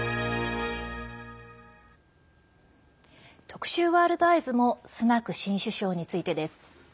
特集「ワールドＥＹＥＳ」もスナク新首相についてです。